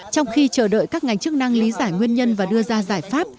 trong khi chờ đợi các ngành chức năng lý giải nguyên nhân và đưa ra giải pháp